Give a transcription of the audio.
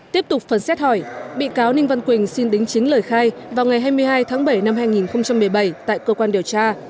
tiếp tục phần xét hỏi bị cáo ninh văn quỳnh xin đính chính lời khai vào ngày hai mươi hai tháng bảy năm hai nghìn một mươi bảy tại cơ quan điều tra